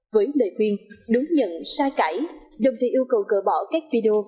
với lời khuyên đúng nhận xa cãi đồng thì yêu cầu cỡ bỏ các video